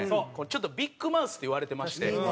ちょっとビッグマウスって言われてまして。